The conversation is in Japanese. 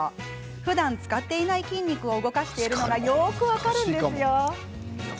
ふだん使ってない筋肉を動かしているのがよく分かります。